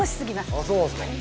あっそうなんですか？